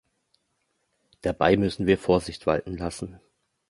Dabei müssen wir Vorsicht walten lassen.